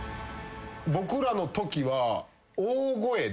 僕らのときは。